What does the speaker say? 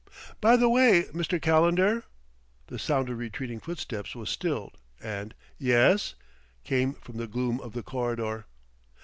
"By the way, Mr. Calendar ?" The sound of retreating footsteps was stilled and "Yes?" came from the gloom of the corridor.